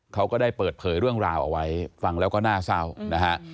ก็ได้เปิดเผยเรื่องราวเอาไว้ฟังแล้วก็น่าเศร้านะฮะ